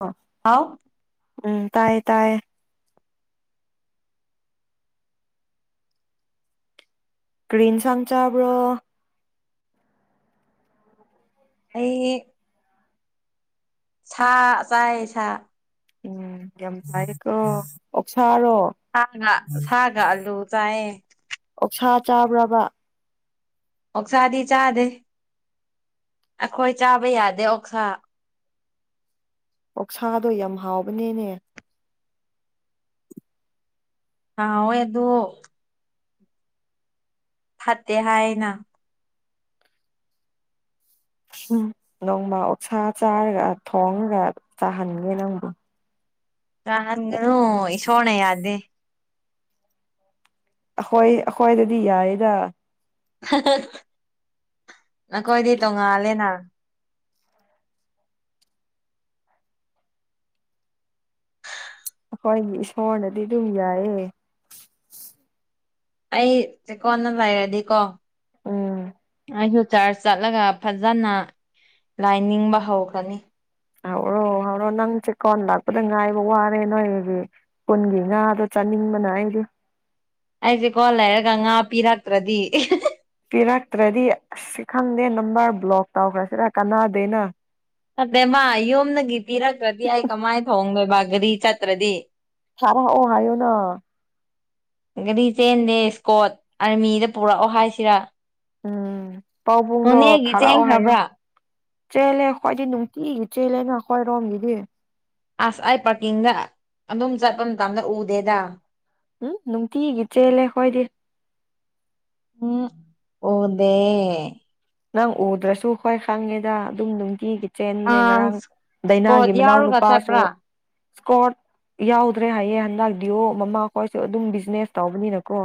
ꯑꯣ ꯑꯥꯎ ꯎꯝ ꯇꯥꯏꯌꯦ ꯇꯥꯏ ꯀ꯭ꯔꯤꯟ ꯁ ꯆꯕ꯭ꯔꯣ? ꯑꯩ ꯁꯥ ꯆꯥꯏ ꯁꯥ ꯎꯝ ꯌꯥꯝ ꯂꯥꯏꯀꯣ ꯑꯣꯛꯁꯥꯔꯣ ꯁꯥꯒꯜꯂꯨ ꯆꯌꯦ ꯑꯣꯛꯁꯥ ꯆꯥꯕ꯭ꯔꯕ ꯑꯣꯛꯁꯥꯗꯤ ꯆꯥꯗꯦ ꯑꯩꯈꯣꯏ ꯆꯥꯕ ꯌꯥꯗꯦ ꯑꯣꯛꯁꯥ ꯑꯣꯛꯁꯥꯗꯣ ꯌꯥꯝ ꯍꯥꯎꯕꯅꯦꯅꯦ ꯑꯥꯎꯦ ꯑꯗꯨ ꯐꯥꯇꯦ ꯍꯥꯏ ꯍꯥꯏꯅ ꯎ ꯅꯣꯡꯃ ꯑꯣꯛꯁꯥ ꯆꯥꯔꯒ ꯊꯣꯡꯉꯒ ꯆꯥꯍꯟꯒꯦ ꯅꯪꯕꯨ ꯁꯣꯅ ꯌꯥꯗꯦ ꯑꯩꯈꯣꯏ ꯑꯩꯈꯣꯏꯗꯗꯤ ꯌꯥꯏꯌꯦꯗ ꯅꯈꯣꯏꯗꯤ ꯇꯣꯡꯉꯥꯜꯂꯦꯅ ꯑꯩꯈꯣꯏꯒꯤ ꯏꯁꯣꯔꯅꯗꯤ ꯑꯗꯨꯝ ꯌꯥꯏꯌꯦ ꯑꯩ ꯆꯀꯣꯟꯅ ꯂꯩꯔꯗꯤꯀꯣ ꯑꯥ ꯑꯩꯁꯨꯌꯨ ꯆꯔꯁ ꯆꯠꯂꯒ ꯐꯖꯅ ꯂꯥꯏ ꯅꯤꯡꯕ ꯍꯧꯈꯅꯤ ꯑꯥꯎ ꯔꯣ ꯅꯪ ꯆꯦꯛꯀꯣꯟ ꯂꯥꯛꯄꯗ ꯉꯥꯏꯕ ꯋꯥꯔꯦ ꯅꯣꯏꯒꯤ ꯈꯨꯟꯒꯤ ꯉꯥꯗꯣ ꯆꯥꯅꯤꯡꯕꯅ ꯑꯩꯗꯤ ꯑꯩꯁꯦꯀꯣ ꯂꯩꯔꯒ ꯉꯥ ꯄꯤꯔꯛꯇ꯭ꯔꯗꯤ ꯄꯤꯔꯛꯇ꯭ꯔꯗꯤ ꯑꯁ ꯈꯪꯗꯦ ꯅꯝꯕꯔ ꯕ꯭ꯂꯣꯛ ꯇꯧꯈ꯭ꯔꯁꯤꯔ ꯀꯥꯟꯅꯥꯗꯦꯅ ꯆꯠꯇꯦ ꯃꯥ ꯌꯣꯝꯗꯒꯤ ꯄꯤꯔꯛꯇ꯭ꯔꯗꯤ ꯑꯩ ꯀꯃꯥꯏꯅ ꯊꯣꯡꯣꯡꯗꯣꯏ ꯕꯥꯒꯗꯤ ꯆꯠꯇ꯭ꯔꯗꯤ ꯁꯔꯥ ꯑꯣ ꯍꯥꯏꯌꯣꯅ ꯗꯤ ꯇꯦꯟ ꯗꯦꯁ ꯀꯣꯠ ꯑꯥꯔꯃꯤꯗ ꯄꯨꯔꯛꯑꯣ ꯍꯥꯏꯁꯤꯔꯥ ꯎꯝ ꯄꯥꯎ ꯄꯨꯡꯗꯣ ꯅꯣꯅꯦꯒꯤ ꯊꯥꯔꯛꯑꯣ ꯍꯥꯏꯌꯣ ꯆꯦꯟꯈ꯭ꯔꯕ꯭ꯔꯥ ꯆꯦꯜꯂꯦ ꯑꯩꯣꯏꯗꯤ ꯅꯨꯡꯇꯤꯒꯤ ꯆꯦꯜꯂꯦꯅ ꯈꯣꯏꯔꯣꯝꯒꯤꯗꯤ ꯑꯁ ꯑꯩ ꯄꯥꯔꯀꯤꯡꯗ ꯑꯗꯨꯝ ꯆꯠꯄ ꯃꯇꯝꯗ ꯎꯗꯦꯗ ꯎꯝ ꯅꯨꯡꯇꯤ ꯏꯗ꯭ꯔꯦꯂꯦ ꯍꯣꯏꯗꯤꯦ ꯎꯝ ꯑꯣꯗꯦ ꯅꯪ ꯎꯗ꯭ꯔꯁꯨ ꯍꯣꯏ ꯈꯪꯉꯦꯗ ꯑꯗꯨꯝ ꯅꯨꯡꯇꯤꯒꯤ ꯆꯦꯟꯕꯅꯦ ꯑꯥ ꯉꯔꯥꯡ ꯏꯁꯀꯣꯠ ꯗꯥꯏꯅꯥꯒꯤ ꯃꯅꯥꯎ ꯌꯥꯎꯔꯒ ꯅꯨꯄꯥꯁꯨ ꯆꯠꯄ꯭ꯔꯥ ꯏꯁꯀꯣꯔꯠ ꯌꯥꯎꯗ꯭ꯔꯦ ꯍꯥꯏꯌꯦꯦ ꯍꯟꯗꯛꯇꯤ ꯑꯣ ꯃꯃꯥ ꯈꯣꯏꯁꯨ ꯑꯗꯨꯝ ꯕꯤꯖꯤꯅꯦꯁ ꯇꯧꯕꯅꯤꯅꯀꯣ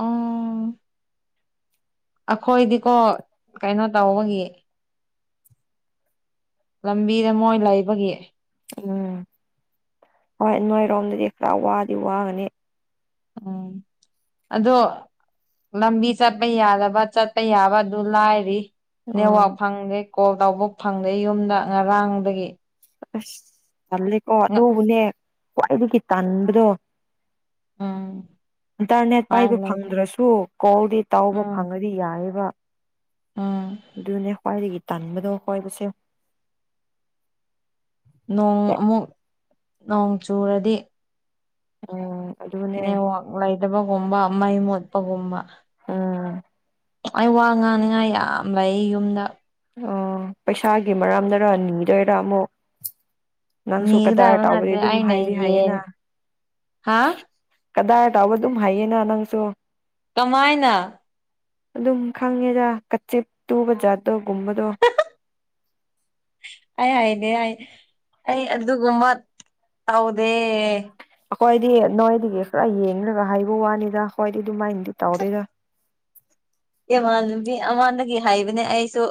ꯑꯣ ꯑꯩꯈꯣꯏꯗꯤꯀꯣ ꯀꯩꯅꯣ ꯇꯧꯕꯒꯤ ꯂꯝꯕꯤꯗ ꯃꯣꯏ ꯂꯩꯕꯒꯤ ꯎꯝ ꯍꯣꯏ ꯅꯣꯏꯔꯣꯝꯗꯗꯤ ꯈꯔ ꯋꯥꯗꯤ ꯋꯥꯒꯅꯤ ꯑ ꯑꯗꯣ ꯂꯝꯕꯤ ꯆꯠꯄ ꯌꯥꯗꯕ ꯆꯠꯄ ꯌꯥꯕ ꯑꯗꯨ ꯂꯥꯏꯔꯤ ꯎꯝ ꯅꯦꯠꯋꯥꯛ ꯐꯪꯗꯦ ꯀꯣꯜ ꯇꯧꯕ ꯐꯪꯗꯦ ꯌꯨꯝꯗ ꯉꯔꯥꯡꯗꯒꯤ ꯑꯁ ꯇꯜꯂꯦꯀꯣ ꯑꯗꯨꯕꯨꯅꯦ ꯈ꯭ꯋꯥꯏꯗꯒꯤ ꯇꯟꯥꯟꯕꯗꯣ ꯑꯝ ꯏꯟꯇꯔꯅꯦꯠ ꯄꯥꯏꯕ ꯐꯪꯗ꯭ꯔꯁꯨ ꯀꯣꯜꯗꯤ ꯇꯥꯎꯕ ꯎꯝ ꯐꯪꯉꯗꯤ ꯌꯥꯏꯑꯕ ꯎꯝ ꯑꯗꯨꯅꯦ ꯈ꯭ꯋꯥꯏꯗꯒꯤ ꯇꯟꯥꯟꯕꯗꯣ ꯈ꯭ꯋꯥꯣꯏꯕꯁꯦ ꯅꯣꯡ ꯑꯃꯨꯛ ꯅꯣꯡ ꯆꯨꯔꯗꯤ ꯑꯣ ꯅꯦꯠꯋꯥꯛ ꯂꯩꯗꯕꯒꯨꯝꯕ ꯃꯩ ꯃꯣꯠꯄꯒꯨꯝꯕ ꯑꯥ ꯑꯩ ꯋꯥ ꯉꯥꯡꯅꯤꯡꯉꯥꯏ ꯌꯥꯝ ꯂꯩ ꯌꯨꯝꯗ ꯑꯣ ꯄꯩꯁꯥꯒꯤ ꯃꯔꯝꯅꯔꯥꯅꯤꯡꯗꯣꯏꯔꯥ ꯑꯃꯨꯛ ꯅꯪꯁꯨ ꯀꯗꯥꯏ ꯅꯤꯒꯗꯕ ꯇꯥꯎꯕꯗꯤ ꯅꯠꯇꯦ ꯑꯗꯨꯝ ꯑꯩꯅ ꯍꯥꯏꯗꯤ ꯌꯦꯟ ꯍꯥꯏꯌꯦꯅ ꯍꯥ ꯀꯗꯥꯏ ꯇꯥꯎꯕ ꯑꯗꯨꯝ ꯍꯥꯏꯌꯦꯅ ꯅꯪꯁꯨ ꯀꯃꯥꯏꯅ ꯑꯗꯨꯝ ꯈꯪꯉꯦꯖ ꯀꯆꯦ ꯇꯨꯕꯖꯥꯗ ꯀꯗꯣ ꯨꯝꯃꯗꯣ ꯑꯩ ꯍꯥꯏꯅꯦ ꯑꯩ ꯑꯩ ꯑꯗꯨꯒꯨꯝꯕ ꯇꯧꯗꯦ ꯑꯩꯈꯣꯏꯗꯤ ꯅꯣꯏꯗꯒꯤ ꯈꯔ ꯌꯦꯡꯈꯒ ꯍꯥꯏꯕ ꯋꯥꯅꯤꯗ ꯑꯩꯈꯣꯏꯗꯤ ꯑꯗꯨꯃꯥꯏꯅꯗꯤ ꯇꯧꯗꯣꯏꯗ ꯏꯃꯥꯟꯅꯕꯤ ꯑꯃꯗꯒꯤ ꯍꯥꯏꯕꯅꯦ ꯑꯩꯁꯨ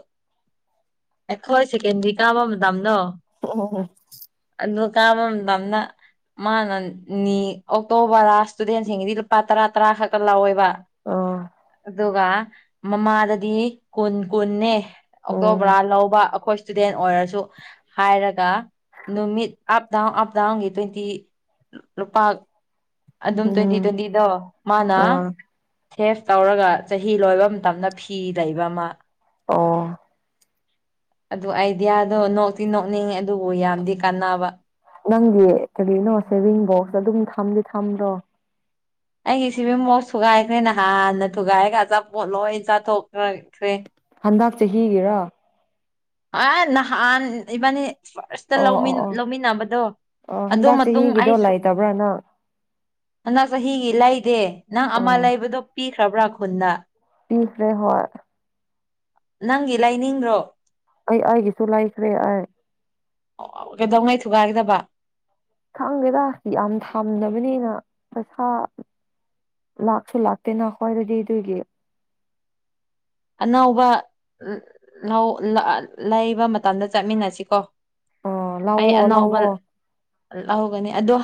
ꯑꯦꯈꯣꯏ ꯁꯦꯀꯦꯟ ꯀꯥ ꯑꯃ ꯇꯝ ꯅꯣ ꯑꯣ ꯀꯥꯃ ꯇꯅ ꯃꯥꯅ ꯅꯤ ꯑꯣꯛꯇꯣꯕꯔ ꯏꯁꯇꯨꯗꯦꯟꯁꯤꯡꯒꯤꯗꯤ ꯂꯨꯄꯥ ꯇꯔꯥ ꯇꯔꯥ ꯈꯛꯀ ꯂꯧꯥꯎꯋꯦꯕ ꯑꯣ ꯑꯗꯨꯒ ꯃꯃꯥꯗꯗꯤ ꯀꯨꯟ ꯀꯨꯦ ꯑꯣꯛꯇꯣ ꯎꯝ ꯕꯔꯥ ꯂꯧꯕ ꯑꯩꯈꯣꯏ ꯏꯁꯇꯨꯗꯦꯟ ꯑꯣꯏꯔꯁꯨ ꯍꯥꯏꯔꯒ ꯅꯨꯃꯤꯠ ꯑꯞ ꯗꯥꯎꯟ ꯑꯞ ꯗꯥꯎꯟꯒꯤ ꯇ꯭ꯋꯦꯟꯇꯤ ꯂꯨꯄꯥ ꯑꯗꯨꯝ ꯇ꯭ꯋꯦꯟꯇꯤ ꯎꯝ ꯇ꯭ꯋꯦꯟꯇꯤꯗꯣ ꯃꯥꯅ ꯑꯣ ꯁꯦꯚ ꯇꯧꯔꯒ ꯆꯍꯤ ꯂꯣꯏꯕ ꯃꯇꯝꯗ ꯐꯤ ꯂꯩꯕ ꯑꯃ ꯑꯣ ꯑꯗꯨ ꯑꯥꯏꯗꯤꯌꯥꯗꯣ ꯅꯣꯛꯇꯤ ꯅꯣꯛꯅꯤꯡꯉꯤ ꯑꯗꯨꯕꯨ ꯌꯥꯝꯗꯤ ꯀꯥꯟꯅꯕ ꯅꯪꯒꯤ ꯀꯔꯤꯅꯣ ꯁꯦꯚꯤꯡ ꯕꯣꯛꯁꯇ ꯑꯗꯨꯝ ꯊꯝꯗꯤ ꯊꯝꯗ꯭ꯔꯣ ꯑꯩꯒꯤ ꯁꯤꯕꯦꯝ ꯃꯣꯁ ꯊꯨꯒꯥꯏꯈ꯭ꯔꯦ ꯅꯍꯥꯟꯅ ꯊꯨꯒꯥꯏꯔꯒ ꯑꯆꯥꯄꯣꯠ ꯂꯣꯏ ꯆꯥꯊꯣꯛꯈꯈ꯭ꯔꯦ ꯍꯟꯗꯛ ꯆꯍꯤꯒꯤꯔꯥ ꯑ ꯅ ꯏꯕꯅꯤ ꯐꯥꯔꯁꯇ ꯑꯣ ꯑꯣ ꯑꯣ ꯂꯧꯃꯤꯟꯅꯕꯗꯣ ꯑꯣ ꯑꯗꯨ ꯍꯟꯗꯛ ꯃꯇꯨꯡ ꯑꯩ ꯆꯍꯤꯒꯤꯗꯣ ꯁ ꯂꯩꯇꯕ꯭ꯔꯥ ꯅꯪ ꯅꯗꯛ ꯆꯍꯤꯒꯤ ꯂꯩꯗꯦ ꯅꯪ ꯑꯃ ꯑꯣ ꯂꯩꯕꯗꯣ ꯄꯤꯈ꯭ꯔꯕ꯭ꯔꯥ ꯈꯨꯟꯗ ꯇꯤꯁꯦ ꯍꯣꯏ ꯅꯪꯒꯤ ꯂꯩꯥꯏꯅꯤꯡ꯭ꯔꯣ ꯑꯩ ꯑꯩꯒꯤꯁꯨ ꯂꯥꯏꯈ꯭ꯔꯦ ꯍꯥꯏ ꯁꯨꯒꯥꯏꯒꯗꯕ ꯈꯪꯗꯦꯗ ꯌꯥꯝ ꯊꯝꯗꯅꯕꯅꯤꯅ ꯄꯩꯁꯥ ꯂꯥꯛꯁꯨ ꯂꯥꯛꯇꯦꯅ ꯈꯣꯏꯗꯗꯤ ꯑꯗꯨꯒꯤ ꯑꯅꯧꯕ ꯂꯩꯕ ꯃꯇꯝꯗ ꯆꯠꯃꯤꯟꯅꯁꯤꯀꯣ ꯑ ꯑꯩ ꯂꯥꯎꯑꯣꯣ ꯑꯅꯧꯕ ꯂꯥꯎꯣ ꯂꯧꯒꯅꯤ ꯑꯗꯣ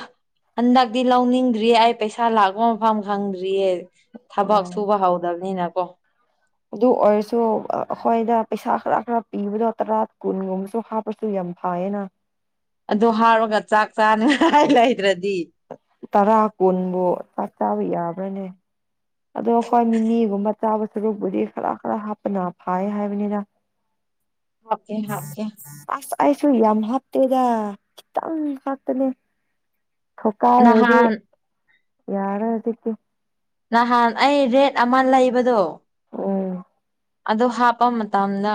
ꯍꯟꯗꯛꯇꯤ ꯂꯧꯅꯤꯡꯗ꯭ꯔꯤꯌꯦ ꯑꯩ ꯄꯩꯁꯥ ꯂꯥꯛꯄ ꯃꯐꯝ ꯈꯪꯗ꯭ꯔꯤꯌꯦ ꯊꯕꯛ ꯑꯣ ꯁꯨꯕ ꯍꯧꯗꯕꯅꯤꯅꯀꯣ ꯑꯗꯨ ꯑꯣꯏꯔꯁꯨ ꯑꯩꯈꯣꯏꯗ ꯄꯩꯁꯥ ꯈꯔ ꯈꯔ ꯄꯤꯕꯗꯣ ꯇꯔꯥ ꯀꯨꯟꯒꯨꯝꯕꯁꯨ ꯍꯥꯞꯄꯁꯨ ꯌꯥ ꯐꯥꯌꯦꯅ ꯑꯗꯨ ꯍꯥꯎꯔꯒ ꯆꯥꯛ ꯆꯥꯅ ꯂꯩꯗ꯭ꯔꯗꯤ ꯇꯔꯥ ꯀꯨꯣꯟꯕꯨ ꯆꯥꯛ ꯆꯥꯕ ꯌꯥꯕ꯭ꯔꯅꯦ ꯑꯗꯣ ꯍꯈꯣꯏ ꯃꯤꯃꯤꯒꯨꯝꯕ ꯆꯥꯕ ꯁꯔꯨꯛꯕꯨꯗꯤ ꯈꯔ ꯈꯔ ꯍꯥꯞꯄꯅ ꯐꯥꯏ ꯍꯥꯏꯕꯅꯤꯅ [unintelligible] ꯍꯥꯞꯀꯦ ꯍꯥꯞꯀꯦ ꯑꯁ ꯑꯩꯁꯨ ꯌꯥꯝ ꯍꯥꯞꯇꯦꯗ ꯈꯤꯇꯪ ꯍꯥꯞꯇꯅꯦ ꯊꯀꯥꯏ ꯍꯥꯏꯔꯤ ꯅꯍꯥꯟ ꯌꯥꯔ ꯑꯗꯨꯖꯤꯗꯤ ꯅꯍꯥꯟ ꯑꯩ ꯔꯦꯠ ꯑꯃ ꯂꯩꯕꯗꯣ ꯎꯝ ꯑ ꯍꯥꯞꯄ ꯃꯇꯝꯗ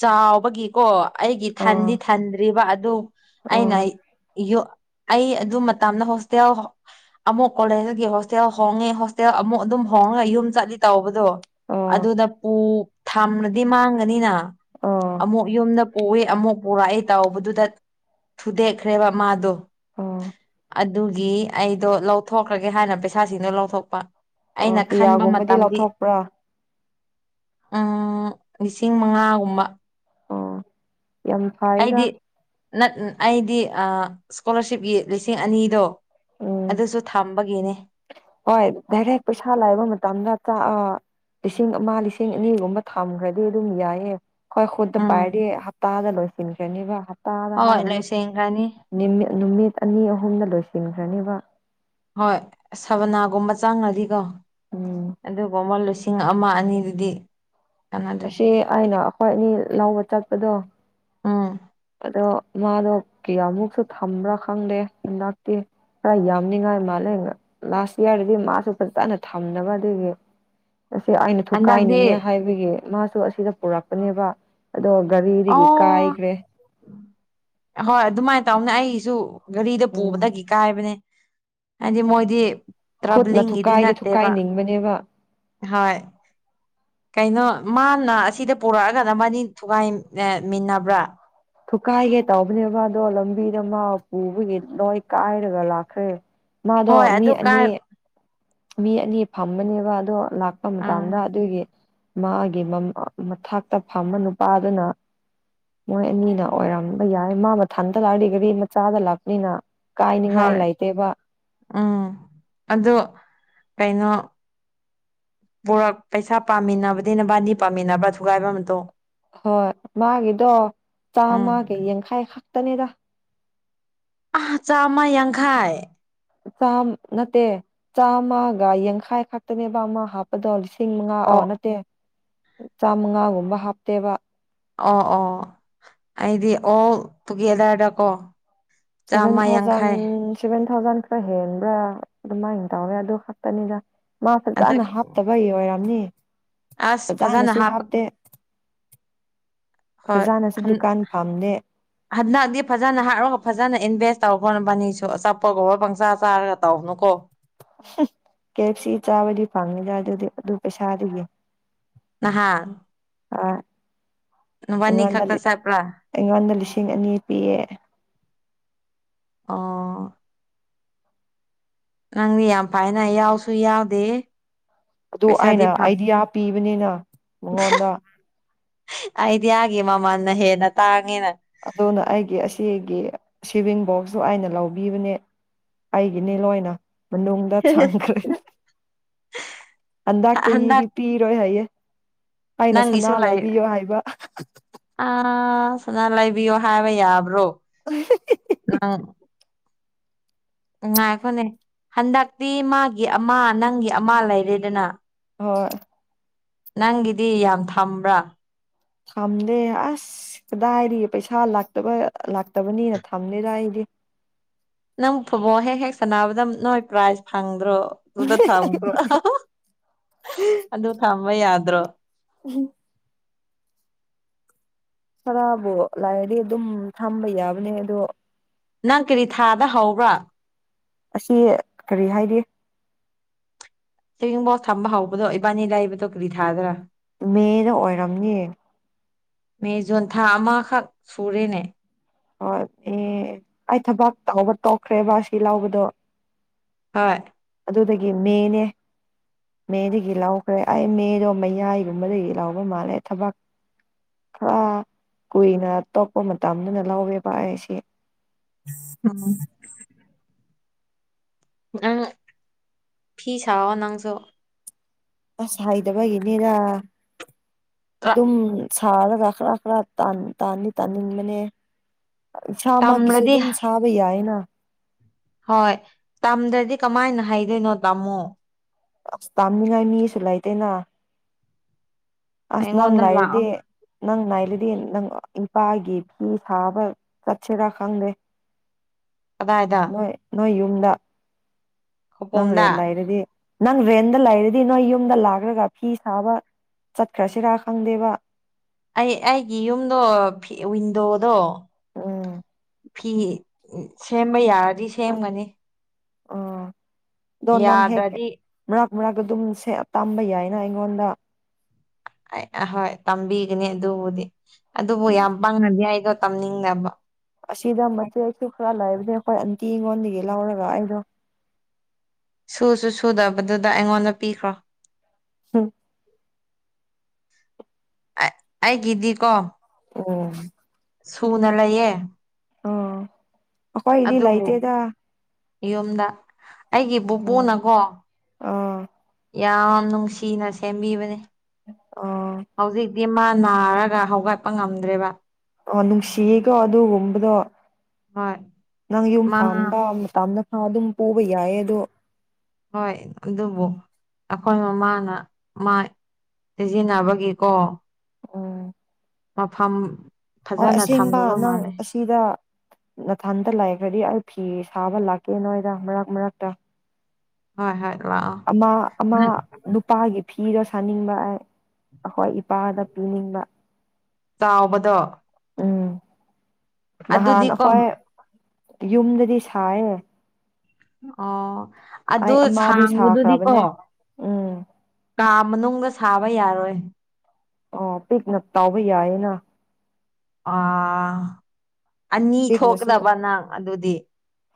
ꯆꯥꯎꯕꯒꯤꯀꯣ ꯑꯩꯒꯤ ꯑꯣ ꯊꯟꯗꯤ ꯊꯟꯗ꯭ꯔꯤꯕ ꯑꯗꯨ ꯑꯣ ꯑꯩꯅ ꯑꯩ ꯑꯗꯨꯝ ꯃꯇꯝꯗ ꯍꯣꯁꯇꯦꯜ ꯑꯃꯨꯛ ꯀꯣꯂꯦꯖꯒꯤ ꯍꯣꯁꯇꯦꯜ ꯍꯣꯡꯉꯦ ꯍꯣꯁꯇꯦꯜ ꯑꯃꯨꯛ ꯑꯗꯨꯝ ꯍꯣꯡꯦ ꯑꯣ ꯌꯨꯝ ꯆꯠꯂꯤ ꯇꯥꯎꯕꯗꯣ ꯑꯣ ꯑꯗꯨꯗ ꯄꯨ ꯊꯝꯅꯗꯤ ꯃꯥꯡꯒꯅꯤꯅ ꯑꯣ ꯑꯃꯨꯛ ꯌꯨꯝꯗ ꯎꯏ ꯑꯃꯨꯛ ꯄꯨꯔꯛꯏ ꯇꯥꯎꯕꯗꯨꯗ ꯊꯨꯗꯦꯛꯈ꯭ꯔꯦꯕ ꯃꯥꯗꯣ ꯑꯥ ꯑꯗꯨꯒꯤ ꯑꯩꯗꯣ ꯂꯧꯊꯣꯛꯈ꯭ꯔꯒꯦ ꯍꯥꯏꯅ ꯄꯩꯁꯥꯁꯤꯡꯗꯣ ꯂꯧꯊꯣꯛꯄ ꯑꯣ ꯑꯩꯅ ꯈꯟꯕ ꯄꯤꯌꯥꯒꯨꯝꯕꯗꯤ ꯃꯇꯝꯗꯤ ꯂꯧꯊꯣꯛꯄ꯭ꯔꯥ ꯎꯝ ꯂꯤꯁꯤꯡ ꯃꯉꯥꯒꯨꯝꯕ ꯑꯣ ꯌꯥꯝ ꯐꯥꯏꯗ ꯅ ꯑꯩꯗꯤ ꯏꯁꯀꯣꯂꯥꯔꯁꯤꯞꯀꯤ ꯂꯤꯁꯤꯡ ꯑꯅꯤꯗꯣ ꯎꯝ ꯑꯗꯨꯁꯨ ꯊꯝꯕꯒꯤꯅꯦ ꯍꯣꯏ ꯗꯥꯔꯦꯛ ꯄꯩꯁꯥ ꯂꯥꯏꯕ ꯃꯇꯝꯗ ꯑ ꯂꯤꯁꯤꯡ ꯑꯃ ꯂꯤꯁꯤꯡ ꯑꯅꯤꯒꯨꯝꯕ ꯊꯝꯈ꯭ꯔꯗꯤ ꯑꯗꯨꯝ ꯌꯥꯏꯌꯦ ꯍꯣꯏ ꯈꯨꯠꯇ ꯄꯥꯏꯗꯤ ꯎꯝ ꯍꯞꯇꯥ ꯑꯃꯗ ꯂꯣꯏꯁꯤꯟ ꯈꯔꯥꯅꯤꯕ ꯍꯞꯇꯥꯗ ꯍꯣꯏ ꯍꯥꯏꯔꯨꯅꯨ ꯂꯣꯏꯁꯤꯟꯈ꯭ꯔꯅꯤ ꯅꯨꯃꯤꯠ ꯑꯅꯤ ꯑꯍꯨꯝꯗ ꯂꯣꯏꯁꯤꯟꯈ꯭ꯔꯅꯦꯕ ꯍꯣꯏ ꯁꯕꯅꯥꯒꯨꯝꯕ ꯆꯪꯉꯥꯗꯤꯀꯣ ꯎꯝ ꯑꯗꯨꯒꯨꯝ ꯑꯃ ꯂꯣꯏꯁꯤ ꯂꯤꯁꯤꯡ ꯑꯃ ꯑꯅꯤꯗꯨꯗꯤ ꯀꯥꯟꯅꯗ꯭ꯔꯦ ꯑꯁꯤ ꯑꯩꯅ ꯑꯩꯈꯣꯏ ꯑꯅꯤ ꯂꯧꯕ ꯆꯠꯄꯗꯣ ꯎꯝ ꯑꯗꯣ ꯃꯥꯗꯣ ꯀꯌꯥꯃꯨꯛꯁꯨ ꯊꯝꯕ꯭ꯔꯥ ꯈꯪꯗꯦ ꯍꯟꯗꯛꯇꯤ ꯈꯔ ꯌꯥꯝꯅꯤꯡꯉꯥꯏ ꯃꯥꯜꯂꯦ ꯂꯥꯁ ꯏꯌꯥꯔꯗꯗꯤ ꯃꯥꯁꯨ ꯐꯖꯅ ꯊꯝꯗꯥꯕ ꯑꯗꯨꯒꯤ ꯑꯁꯤ ꯑꯩꯅ ꯍꯟꯗꯛꯇꯤ ꯊꯨꯀꯥꯏꯅꯤꯡꯉꯦ ꯍꯥꯏꯕꯒꯤ ꯃꯥꯁꯨ ꯑꯁꯤꯗ ꯄꯨꯔꯛꯄꯅꯦꯕ ꯑꯗꯣ ꯒꯔꯤꯗꯥꯒꯤ ꯑꯣ ꯀꯥꯏꯈ꯭ꯔꯦ ꯍꯣꯏ ꯑꯗꯨꯃꯥꯏꯅ ꯇꯧꯅꯦ ꯑꯩꯁꯨ ꯒꯥꯔꯤꯗ ꯎꯝ ꯄꯨꯕꯗꯒꯤ ꯀꯥꯏꯕꯅꯦ ꯍꯥꯏꯗꯤ ꯃꯣꯏꯗꯤ ꯈꯨꯠꯅ ꯇ꯭ꯔꯕꯂꯤꯡꯒꯤꯗꯤ ꯊꯨꯀꯥꯏꯗꯤ ꯅꯠꯇꯦꯕ ꯊꯨꯀꯥꯏꯅꯤꯡꯕꯅꯦꯕ ꯍꯣꯏ ꯀꯩꯅꯣ ꯃꯥꯅ ꯑꯁꯤꯗ ꯄꯨꯔꯛꯑꯒ ꯅꯕꯥꯅꯤ ꯊꯨꯒꯥꯏꯃꯤꯟꯅꯕ꯭ꯔꯥ ꯊꯨꯀꯥꯏꯒꯦ ꯇꯧꯕꯅꯦꯕ ꯑꯗꯗꯣ ꯂꯝꯕꯤꯗ ꯃꯥ ꯄꯨꯕꯒꯤ ꯂꯣꯏ ꯀꯥꯏꯔꯒ ꯂꯥꯛꯈ꯭ꯔꯦ ꯃꯥꯗꯣ ꯍꯣꯏ ꯃꯤ ꯑꯗꯨ ꯑꯅꯤ ꯀꯥꯏ ꯃꯤ ꯑꯅꯤ ꯐꯝꯕꯅꯦꯕ ꯑꯗꯣ ꯂꯥꯛꯄ ꯑꯥ ꯃꯇꯝꯗ ꯑꯗꯨꯒꯤ ꯃꯥꯒꯤ ꯃꯊꯛꯇ ꯐꯝꯕ ꯅꯨꯄꯥꯗꯨꯅ ꯃꯣꯏ ꯑꯅꯤꯅ ꯑꯣꯏꯔꯝꯕ ꯌꯥꯏ ꯃꯥ ꯃꯊꯟꯇ ꯂꯥꯛ ꯑꯗꯤ ꯒꯥꯔꯤ ꯃꯆꯥꯗ ꯂꯥꯛꯄꯅꯤꯅ ꯀꯥꯏꯅꯤꯡꯉꯥꯏ ꯍꯣꯏ ꯂꯩꯇꯦꯕ ꯎꯝ ꯑꯗꯣ ꯀꯩꯅꯣ ꯄꯨꯔꯛ ꯄꯩꯁꯥ ꯄꯥꯃꯤꯟꯅꯕꯗꯤ ꯅꯕꯥꯅꯤ ꯄꯥꯃꯤꯟꯅꯕ ꯊꯨꯒꯥꯏꯕ ꯑꯇꯨꯡ ꯍꯣꯏ ꯃꯥꯒꯤꯗꯣ ꯎꯝ ꯆꯥꯝꯃꯒ ꯌꯥꯡꯈꯩ ꯈꯛꯇꯅꯤꯗ ꯑ ꯆꯥꯝꯃ ꯌꯥꯡꯈꯥꯏ ꯆꯥ ꯅꯠꯇꯦ ꯆꯥꯝꯃꯒ ꯌꯥꯡꯈꯥꯏ ꯈꯛꯇꯅꯦꯕ ꯑꯃ ꯍꯥꯞꯄꯗꯧ ꯂꯤꯁꯤꯡ ꯂꯤꯁꯤꯡ ꯃꯉꯥ ꯑꯣ ꯅꯠꯇꯦ ꯆꯥꯃꯉꯥꯒꯨꯝꯕ ꯍꯥꯞꯄꯦꯕ ꯑꯣ ꯑꯣ ꯑꯩꯗꯤ ꯑꯣꯜ ꯇꯨꯒꯦꯗꯔꯗꯀꯣ ꯁꯚꯦꯟ ꯆꯥꯝꯃ ꯊꯥꯎꯖꯟ ꯌꯥꯡꯈꯩ ꯁꯚꯦꯟ ꯊꯥꯎꯖꯟ ꯈꯔ ꯍꯦꯟꯕ꯭ꯔꯥ ꯑꯗꯨꯃꯥꯏꯅ ꯇꯧꯋꯦ ꯑꯗꯨ ꯈꯛꯇꯅꯤꯗ ꯑꯗ ꯃꯥꯐꯖꯅ ꯍꯥꯞꯇꯕꯩ ꯑꯣꯏꯔꯝꯅꯤ ꯑꯁ ꯐꯖꯅ ꯐꯖꯅꯁꯨ ꯍꯥꯞꯄ ꯍꯥꯞꯇꯦ ꯍꯣꯏ ꯐꯖꯅꯁꯨ ꯍꯟ ꯗꯨꯀꯥꯟ ꯐꯝꯗꯦ ꯍꯟꯗꯗꯤ ꯐꯖꯅ ꯍꯥꯔꯔꯒ ꯐꯖꯅ ꯏꯟꯚꯦꯁ ꯇꯧꯈꯔꯣ ꯅꯥꯕꯥꯅꯤꯁꯨ ꯑꯆꯥꯄꯣꯠ ꯒꯨꯝꯕ ꯄꯪꯆꯥ ꯆꯥꯔꯒ ꯇꯧꯒꯅꯨꯀꯣ ꯀꯦ ꯑꯦꯐ ꯁꯤ ꯆꯥꯕꯗꯤ ꯐꯪꯉꯤꯗ ꯑꯗꯨꯗꯤ ꯑꯗꯨ ꯄꯩꯁꯥ ꯗꯨꯒꯤ ꯑꯍꯥ ꯑꯥ ꯑꯩꯉꯣꯟꯗ ꯈꯛꯇ ꯆꯠꯄ꯭ꯔꯥ ꯑꯩꯉꯣꯟꯗ ꯂꯤꯁꯤꯡ ꯑꯅꯤ ꯄꯤꯌꯦ ꯑꯣ ꯅꯪꯗꯤ ꯌꯥꯝ ꯐꯥꯏꯅ ꯌꯥꯎꯁꯨ ꯌꯥꯎꯗꯦ ꯑꯗꯨ ꯄꯩꯁꯥꯗꯤ ꯑꯩꯅ ꯐꯪ ꯑꯩꯗꯤ ꯌꯥꯝ ꯄꯤꯕꯅꯤꯅ ꯃꯉꯣꯟꯗ ꯑꯩꯗꯤ ꯑꯥ ꯒꯤ ꯃꯃꯜꯅ ꯍꯦꯟꯅ ꯇꯥꯡꯉꯦꯅ ꯑꯗꯨꯅ ꯑꯩꯒꯤ ꯑꯁꯤꯒꯤ ꯁꯤꯚꯤꯡ ꯕꯣꯛꯁꯁꯨ ꯑꯩꯅ ꯂꯧꯕꯤꯕꯅꯦ ꯑꯩꯒꯤꯅꯤ ꯂꯣꯏꯅ ꯃꯅꯨꯡꯗ ꯊꯥꯡꯈꯔꯅꯤ ꯍꯟꯗꯛ ꯍꯟꯗꯛꯇꯒꯤꯗꯤ ꯄꯤꯔꯣꯏ ꯍꯥꯏꯌꯦ ꯑꯩꯅ ꯅꯪꯒꯤꯁꯨ ꯁꯅꯥ ꯂꯩ ꯉ ꯂꯩꯕꯤꯌꯣ ꯍꯥꯏꯕ ꯁꯨꯅꯥ ꯂꯩꯕꯤꯌꯣ ꯍꯥꯏꯕ ꯌꯥꯕ꯭ꯔꯣ ꯎꯝ ꯉꯥꯏꯈꯣꯅꯦ ꯍꯟꯗꯛꯇꯤ ꯃꯥꯒꯤ ꯑꯃ ꯅꯪꯒꯤ ꯑꯃ ꯂꯩꯔꯦꯗꯅ ꯍꯣꯏ ꯅꯪꯒꯤꯗꯤ ꯌꯥꯝ ꯊꯝꯕ꯭ꯔꯥ ꯊꯝꯗꯦ ꯑꯁ ꯀꯗꯥꯏꯗꯤ ꯄꯩꯁꯥ ꯂꯥꯛꯇꯕ ꯂꯥꯛꯇꯕꯅꯤꯅ ꯊꯝꯗꯦꯗꯥꯏꯗꯤ ꯅꯪ ꯐꯨꯠꯕꯣꯜ ꯍꯦꯛ ꯍꯦꯛ ꯁꯥꯟꯅꯕꯗ ꯅꯣꯏ ꯄ꯭ꯔꯥꯏꯖ ꯐꯪ ꯗꯔꯣ ꯑꯗꯨꯗ ꯊꯝꯈ꯭ꯔꯣ ꯑꯗꯨ ꯊꯝꯕ ꯌꯥꯗ꯭ꯔꯣ [unintelligible] ꯈꯔꯕꯨ ꯂꯥꯏꯔꯗꯤ ꯑꯗꯨꯝ ꯊꯝꯕ ꯌꯥꯕꯅꯦ ꯑꯗꯣ ꯅꯪ ꯀꯔꯤ ꯊꯥꯗ ꯍꯧꯕ꯭ꯔꯥ ꯑꯁꯤ ꯀꯔꯤ ꯍꯥꯏꯔꯤ ꯁꯦꯕꯤꯡ ꯕꯣꯛꯁ ꯊꯝꯕ ꯍꯧꯕꯗꯣ ꯏꯕꯥꯅꯤ ꯂꯥꯏꯕꯗꯣ ꯀꯔꯤ ꯊꯥꯗ꯭ꯔꯥ ꯃꯦꯗ ꯑꯣꯏꯔꯝꯅꯤ ꯃꯦ ꯖꯣꯟ ꯊꯥ ꯑꯃꯈꯛ ꯁꯨꯔꯦꯅꯦ ꯍꯣꯏ ꯑꯦ ꯑꯩ ꯊꯕꯥꯛ ꯇꯧꯕ ꯇꯣꯛꯈ꯭ꯔꯦꯕ ꯁꯤ ꯂꯥꯎꯕꯗꯣ ꯍꯣꯏ ꯑꯗꯨꯗꯒꯤ ꯃꯦꯅꯦ ꯃꯦꯗꯒꯤ ꯂꯥꯎꯈ꯭ꯔꯦ ꯑꯩ ꯃꯦꯗꯣ ꯃꯌꯥꯏꯒꯨꯝꯕꯗꯒꯤ ꯂꯥꯎꯕ ꯃꯥꯜꯂꯦ ꯊꯕꯛ ꯈꯔ ꯀꯨꯏꯅ ꯇꯣꯞꯄ ꯃꯇꯝꯗꯨꯅ ꯂꯧꯋꯦꯕ ꯑꯩꯁꯤ ꯎꯝ ꯅꯪ ꯐꯤ ꯁꯥꯑꯣ ꯅꯪꯁꯨ ꯑꯁ ꯍꯥꯏꯗꯕꯒꯤꯅꯤꯗ ꯇ꯭ꯔ ꯑꯗꯨꯝ ꯁꯔ ꯈꯔ ꯈꯔ ꯇꯥꯟꯗꯤ ꯇꯥꯅꯤꯡꯕꯅꯦ ꯏꯁꯥꯃꯛꯀꯤꯁꯨ ꯇꯝꯔꯗꯤ ꯑꯗꯨꯝ ꯁꯥꯕ ꯌꯥꯏꯅ ꯍꯣꯏ ꯇꯝꯗ꯭ꯔꯗꯤ ꯀꯃꯥꯏꯅ ꯍꯥꯏꯗꯣꯏꯅꯣ ꯇꯥꯝꯃꯣ ꯑꯁ ꯇꯥꯝꯃꯤꯉꯥꯏ ꯃꯤꯁꯨ ꯂꯩꯥꯏꯇꯅ ꯑꯁ ꯅꯪ ꯑꯩꯉꯣꯟꯗ ꯂꯥꯛꯑꯣ ꯂꯥꯏꯔꯗꯤ ꯅꯪ ꯂꯥꯏꯗꯤ ꯗꯤ ꯅꯪ ꯅꯨꯄꯥꯒꯤ ꯐꯤ ꯁꯥꯕ ꯆꯠꯁꯤꯔꯥ ꯈꯪꯗꯦ ꯀꯗꯥꯏꯗ ꯅꯣꯏ ꯅꯣꯏ ꯌꯨꯝꯗ ꯅꯪ ꯈꯧꯄꯣꯝꯗ ꯔꯦꯟ ꯂꯩꯔꯗꯤ ꯅꯪ ꯔꯦꯟꯗ ꯂꯩꯔꯗꯤ ꯅꯣꯏ ꯌꯨꯝꯗ ꯂꯥꯛꯈ꯭ꯔꯒ ꯐꯤ ꯁꯥꯕ ꯆꯠꯈ꯭ꯔꯁꯤꯔꯥ ꯈꯪꯗꯦꯕ ꯑꯩ ꯑꯩꯒꯤ ꯌꯨꯝꯗꯣ ꯋꯤꯟꯗꯣꯗꯣ ꯑꯥ ꯐꯤ ꯁꯦꯝꯕ ꯌꯥꯔꯗꯤ ꯁꯦꯝꯒꯅꯤ ꯑꯣ ꯗꯣ ꯍꯦꯛ ꯌꯥꯗ꯭ꯔꯗꯤ ꯃꯔꯛ ꯑꯗꯨꯝ ꯇꯝꯕ ꯌꯥꯏꯅ ꯑꯩꯉꯣꯟꯗ ꯑꯩ ꯑꯍꯣꯏ ꯇꯝꯕꯤꯒꯅꯤ ꯑꯗꯨꯕꯨꯗꯤ ꯑꯗꯨꯕꯨ ꯎꯝ ꯌꯥꯝ ꯄꯥꯡꯅꯗꯤ ꯑꯩꯗꯣ ꯇꯝꯅꯤꯡꯅꯕ ꯑꯁꯤꯗ ꯃꯆꯦ ꯑꯁꯨ ꯈꯔ ꯂꯩꯕꯅꯦ ꯑꯩꯈꯣꯏ ꯑꯟꯇꯤ ꯑꯩꯉꯣꯟꯗꯒꯤ ꯂꯧꯔꯒ ꯑꯩꯗꯣ ꯁꯨꯁꯨ ꯁꯨꯗꯕꯗꯨꯗ ꯑꯩꯉꯣꯟꯗ ꯄꯤꯈ꯭ꯔꯣ ꯍꯝ ꯑꯩꯒꯤꯗꯤꯀꯣ ꯎꯝ ꯁꯨꯅ ꯂꯩꯌꯦꯦ ꯑꯣ ꯑꯣꯀꯣꯏ ꯏꯂ ꯑꯥꯏꯇ ꯑꯗ ꯌꯨꯝꯗ ꯑꯩꯒꯤ ꯄꯨꯄꯨꯅꯀꯣ ꯑꯥ ꯌꯥꯝ ꯅꯨꯡꯁꯤꯅ ꯁꯦꯝꯕꯤꯕꯅꯦ ꯑꯣ ꯗꯤ ꯃꯥ ꯅꯥꯔꯒ ꯍꯧꯒꯠꯄ ꯉꯝꯗ꯭ꯔꯦꯕ ꯑ ꯅꯪꯁꯤꯤꯒ ꯑꯗꯨ ꯑꯣꯝꯕꯗ ꯍꯣꯏ ꯅꯪ ꯌꯨꯝ ꯃꯥ ꯄꯥꯟꯕ ꯃꯇꯝꯅꯁꯥ ꯑꯗꯨꯝ ꯄꯨꯕ ꯌꯥꯏꯌꯦ ꯑꯗꯣ ꯍꯣꯏ ꯑꯗꯨꯕꯨ ꯑꯩꯈꯣꯏ ꯃꯃꯥꯅ ꯃꯥ ꯁꯤꯖꯤꯟꯅꯕꯒꯤꯀꯣ ꯑꯣ ꯑꯐꯝꯝ ꯍꯣꯏ ꯑꯁꯦꯡꯕ ꯅꯪ ꯑꯁꯤꯗ ꯅꯊꯥꯟꯗ ꯂꯥꯏꯈ꯭ꯔꯗꯤ ꯀꯤ ꯁꯥꯕ ꯂꯥꯛꯀꯦ ꯅꯣꯏꯗ ꯃꯔꯛ ꯃꯔꯛꯇ ꯍꯣꯏ ꯍꯣꯏ ꯂꯥꯛꯑꯣ ꯑꯃ ꯑꯃ ꯅꯪ ꯅꯨꯄꯥꯒꯤ ꯐꯤꯗꯣ ꯁꯥꯅꯤꯡꯕ ꯑꯩꯈꯣꯏ ꯄꯥꯗ ꯄꯤꯅꯤꯡꯕ ꯆꯥꯎꯕꯗꯣ ꯎꯝ ꯅꯍꯥꯟ ꯑꯗꯨꯗꯤꯀꯣ ꯑꯩꯈꯣꯏ ꯌꯨꯝꯗꯗꯤ ꯁꯥꯏꯅꯦ ꯑꯣ ꯑꯗꯨ ꯑꯃꯗꯤ ꯁꯥꯡꯕꯗꯨꯗꯤꯀꯣ ꯁꯥꯈ꯭ꯔꯕꯅꯦ ꯎꯝ ꯀꯥ ꯃꯅꯨꯡꯗ ꯁꯥꯥꯕ ꯌꯥꯔꯣꯏ ꯑꯣ ꯄꯤꯛꯅꯞ ꯇꯥꯎꯕ ꯌꯥꯏꯌꯦꯅ ꯑ ꯑꯅꯤ ꯄꯤꯛꯅꯁꯨ ꯊꯣꯛꯀꯗꯕ ꯅꯪ ꯑꯗꯨꯗꯤ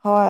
ꯍꯣꯏ